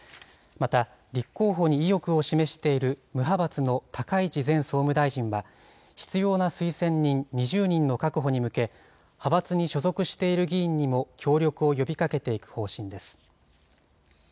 また立候補に意欲を示している無派閥の高市前総務大臣は、必要な推薦人２０人の確保に向け、派閥に所属している議員にも協力を呼びかけていく方針です。